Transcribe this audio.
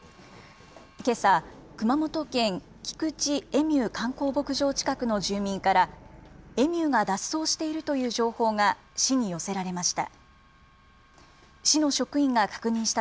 けさ、熊本県菊池エミュー観光牧場近くの住民から、エミューが脱走しているという情報が市に寄せられました。